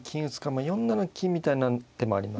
まあ４七金みたいな手もありますし。